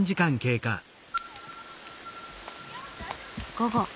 午後。